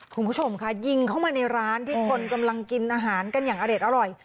คุณผู้ชมค่ะยิงเข้ามาในร้านที่คนกำลังกินอาหารกันอย่างอเด็ดอร่อย